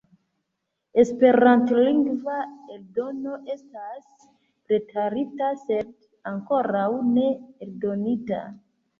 Esperantlingva eldono estas preparita, sed ankoraŭ ne eldonita.